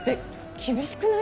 厳しくない？